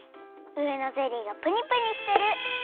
うえのゼリーがプニプニしてる。